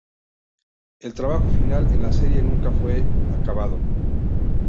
El trabajo final en la serie nunca fue acabado.